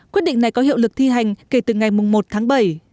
quyết định này có hiệu lực thi hành kể từ ngày một tháng bảy